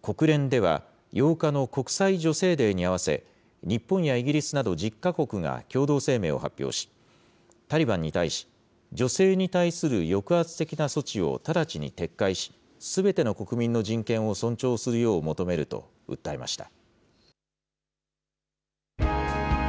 国連では８日の国際女性デーに合わせ、日本やイギリスなど１０か国が共同声明を発表し、タリバンに対し、女性に対する抑圧的な措置を直ちに撤回し、すべての国民の人権を尊重するよう求めると訴えました。